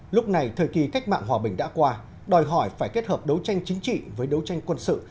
lúc này thời kỳ cách mạng hòa bình đã qua đòi hỏi phải kết hợp đấu tranh chính trị với đấu tranh quân sự